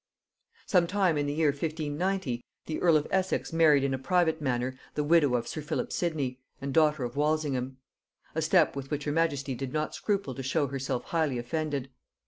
Some time in the year 1590, the earl of Essex married in a private manner the widow of sir Philip Sidney, and daughter of Walsingham; a step with which her majesty did not scruple to show herself highly offended.